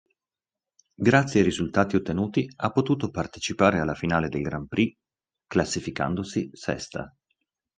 Grazie ai risultati ottenuti ha potuto partecipare alla finale del Grand Prix, classificandosi sesta.